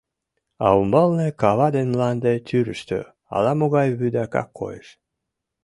А умбалне, кава ден мланде тӱрыштӧ, ала-могай вудака коеш.